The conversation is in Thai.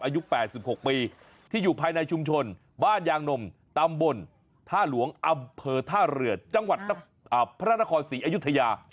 อายุ๘๖ปีที่อยู่ภายในชุมชนบ้านยางนมตำบลท่าหลวงอำเภอท่าเรือจังหวัดพระนครศรีอยุธยา